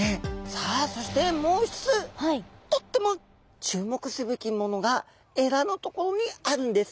さあそしてもう一つとっても注目すべきものがエラのところにあるんです。